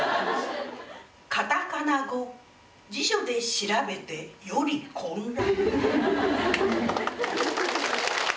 カタカナ語辞書で調べてより混乱。